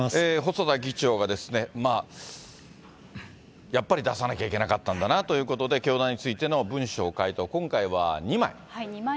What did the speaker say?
細田議長が、まあ、やっぱり出さなきゃいけなかったんだなということで、教団についての文書回答、今回は２枚。